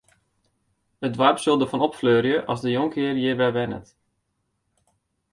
It doarp sil derfan opfleurje as de jonkhear hjir wer wennet.